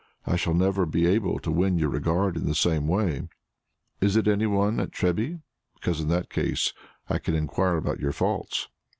I shall never be able to win your regard in the same way. Is it anyone at Treby? Because in that case I can enquire about your faults."